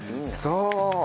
そう。